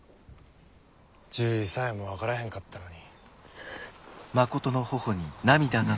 獣医さえも分からへんかったのに。